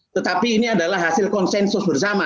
tetapi ini adalah hasil konsensus bersama